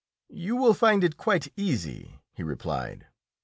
"You will find it quite easy," he replied.